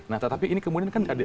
nah tapi ini kemudian kan